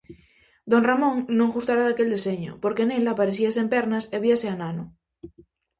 Don Ramón non gustara daquel deseño, porque nel aparecía sen pernas e víase anano.